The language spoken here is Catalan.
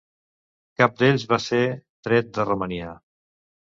Cap d'ells va ser tret de Romania.